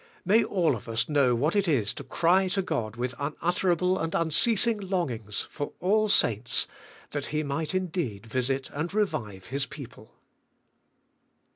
Mr.v all of us know what it is to cry to God with unu::erible and unceasing longings "for all sain:s." tliat He might indeed visit and re vive His people.